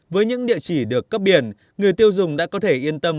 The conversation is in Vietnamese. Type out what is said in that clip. với những địa chỉ được cấp biển người tiêu dùng đã có thể yên tâm